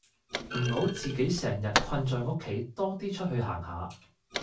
唔好自己成日困在屋企多啲出去行下